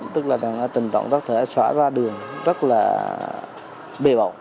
tức là tình trạng có thể xóa ra đường rất là bề bột